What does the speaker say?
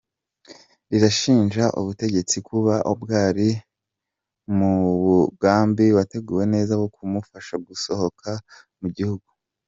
Rirashinja ubutegetsi kuba bwari mu mugambi wateguwe neza wo kumufasha gusohoka mu gihugu.